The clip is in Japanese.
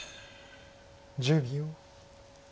１０秒。